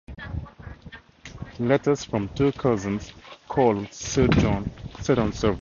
Letters from two cousins called Sir John Seton survive.